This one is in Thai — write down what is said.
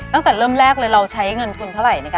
ตั้งแต่เริ่มแรกเลยเราใช้เงินทุนเท่าไหร่ในการ